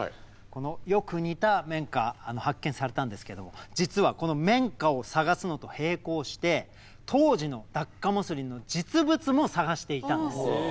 このよく似た綿花発見されたんですけど実はこの綿花を探すのと並行して当時のダッカモスリンの実物も探していたんです。